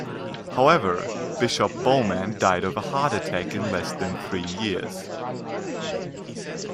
However, Bishop Bowman died of a heart attack in less than three years.